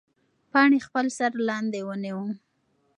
پاڼې خپل سر لاندې ونیوه.